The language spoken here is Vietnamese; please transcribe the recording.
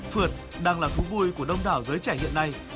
phượt đang là thú vui của đông đảo giới trẻ hiện nay